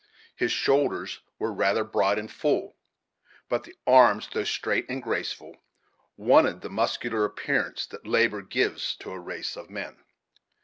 His shoulders were rather broad and full; but the arms, though straight and graceful, wanted the muscular appearance that labor gives to a race of men.